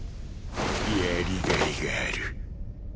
殺りがいがある。